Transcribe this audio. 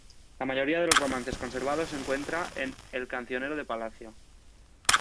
La mayoría de los romances conservados se encuentra en el "Cancionero de Palacio".